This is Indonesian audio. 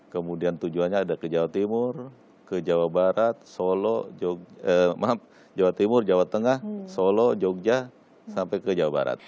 kemudian tujuannya ada ke jawa timur ke jawa barat solo maaf jawa timur jawa tengah solo jogja sampai ke jawa barat